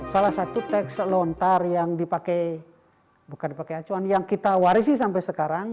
salah satu teks lontar yang kita warisi sampai sekarang